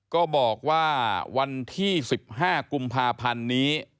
ก็บอกว่าวันที่๑๕กุมภาพันธ์นี้